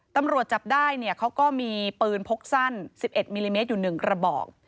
ตำรวจจับได้เนี่ยเขาก็มีปืนพกสั้น๑๑มิลลิเมตรอยู่๑กระบอก